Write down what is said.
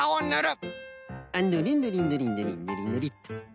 あっぬりぬりぬりぬりぬりぬりっと。